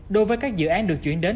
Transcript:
đối với các dự án được chuyển đến